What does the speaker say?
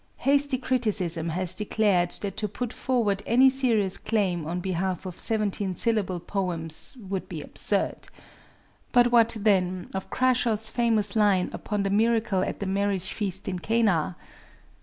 Hasty criticism has declared that to put forward any serious claim on behalf of seventeen syllable poems "would be absurd." But what, then, of Crashaw's famous line upon the miracle at the marriage feast in Cana?